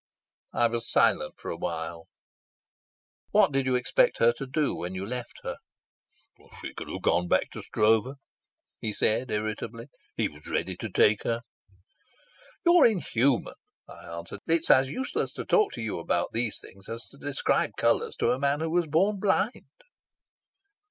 I was silent for a while. "What did you expect her to do when you left her?" "She could have gone back to Stroeve," he said irritably. "He was ready to take her." "You're inhuman," I answered. "It's as useless to talk to you about these things as to describe colours to a man who was born blind."